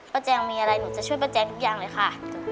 แจงมีอะไรหนูจะช่วยป้าแจงทุกอย่างเลยค่ะ